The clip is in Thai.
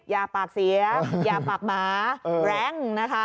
ปากเสียอย่าปากหมาแรงนะคะ